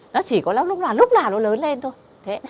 nó chỉ có lúc nào nó lớn lên thôi